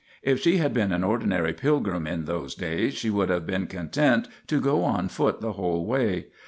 If she had been an ordinary pilgrim in those days she would have been content to go on foot the whole way.